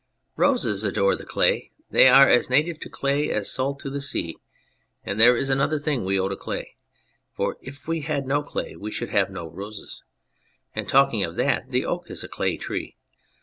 Roses adore the clay they are as native to clay as salt is to the sea ; and there is another thing we owe to clay, for if we had no clay we should have no roses ; and talking of that, the oak is a clay tree.